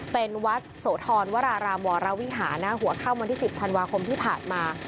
เป็นวัดโสธรวรารามวรวิหารหัวค่ำวันที่๑๐ธันวาคมที่ผ่านมา